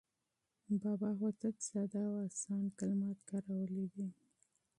بابا هوتک ساده او اسان کلمات کارولي دي.